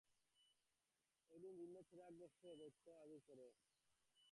একদিন জীর্ণ চেরাগ ঘষে দৈত্য হাজির করে তার কাছে সাহায্য চায় আলাদিন।